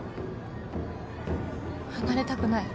離れたくない。